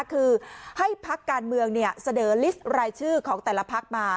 คือให้พักการเมืองเสนอลิสต์รายชื่อของแต่ละพักมา